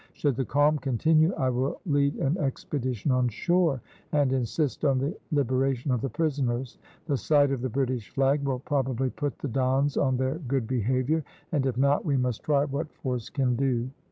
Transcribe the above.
Should the calm continue I will lead an expedition on shore, and insist on the liberation of the prisoners. The sight of the British flag will probably put the Dons on their good behaviour, and, if not, we must try what force can do.